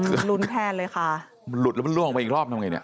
หือลุ้นแทนเลยค่ะลุ้นแล้วมันล่วงออกไปอีกรอบนะทำไงเนี่ย